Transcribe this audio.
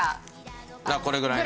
これぐらいね。